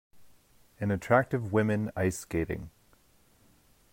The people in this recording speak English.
An attractive women ice skating.